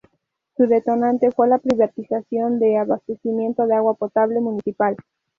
Su detonante fue la privatización del abastecimiento de agua potable municipal.